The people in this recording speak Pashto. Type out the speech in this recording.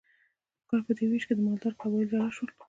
د کار په دې ویش کې مالدار قبایل جلا شول.